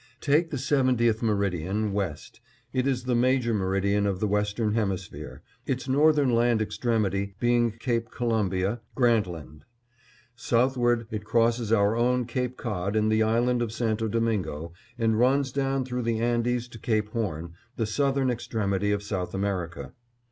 Take the seventieth meridian, west. It is the major meridian of the Western Hemisphere, its northern land extremity being Cape Columbia, Grant Land; southward it crosses our own Cape Cod and the island of Santo Domingo, and runs down through the Andes to Cape Horn, the southern extremity of South America.